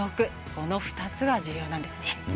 この２つが重要なんですね。